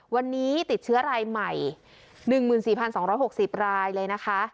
วันนี้ติดเชื้อรายใหม่๑๔๒๖๐รายเลยนะคะ